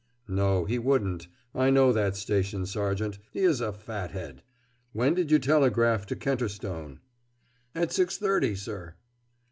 "No, he wouldn't. I know that station sergeant. He is a fat head.... When did you telegraph to Kenterstone?" "At 6.30, sir." Mr.